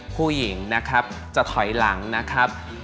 ผู้หญิงนะครับจะถอยหลังนะครับ